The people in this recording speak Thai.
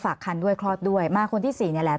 คันด้วยคลอดด้วยมาคนที่สี่นี่แหละ